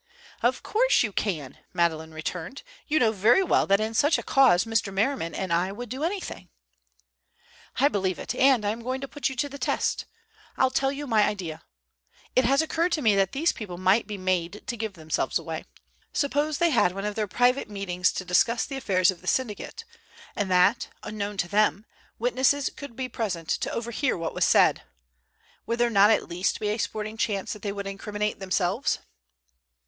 "Of course you can," Madeleine returned. "You know very well that in such a cause Mr. Merriman and I would do anything." "I believe it, and I am going to put you to the test. I'll tell you my idea. It has occurred to me that these people might be made to give themselves away. Suppose they had one of their private meetings to discuss the affairs of the syndicate, and that, unknown to them, witnesses could be present to overhear what was said. Would there not at least be a sporting chance that they would incriminate themselves?"